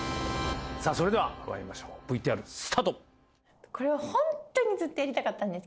それではまいりましょうＶＴＲスタート